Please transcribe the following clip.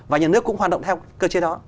và nhà nước cũng hoạt động theo cơ chế đó